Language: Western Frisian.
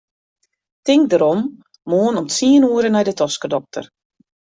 Tink derom, moarn om tsien oere nei de toskedokter.